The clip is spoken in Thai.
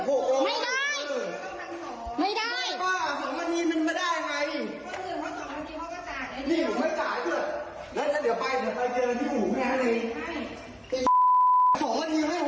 กูเนี่ยไม่ควรรับมึง